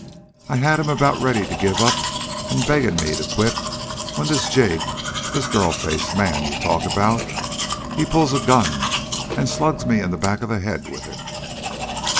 I had him about ready to give up and begging me to quit when this Jig, this girl faced man you talk about he pulls a gun and slugs me in the back of the head with it."